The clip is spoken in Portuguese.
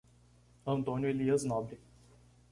Antônio Elias Nobre